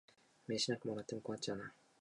名刺なんかもらっても困っちゃうな。